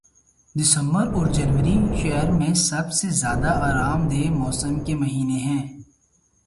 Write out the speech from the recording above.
دسمبر اور جنوری شہر میں سب سے زیادہ آرام دہ موسم کے مہینے ہیں